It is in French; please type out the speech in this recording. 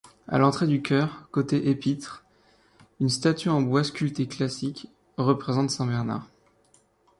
A l’entrée du choeur, côté épître, une statue en bois sculpté classique, représente Saint-Bernard.